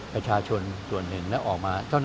ประชาชนตัวหนึ่งแล้วออกมา